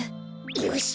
よし！